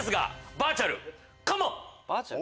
バーチャル？